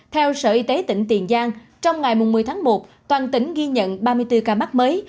theo sở y tế tỉnh tiền giang trong ngày một mươi tháng một toàn tỉnh ghi nhận ba mươi bốn ca mắc mới